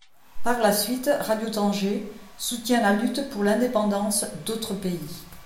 Par la suite Radio Tanger soutient la lutte pour l'indépendance d'autres pays.